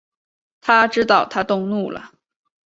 他知道她动怒了